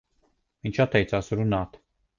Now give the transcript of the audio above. Viņš atteicās runāt.